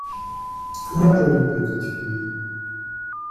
La jolie petite fille.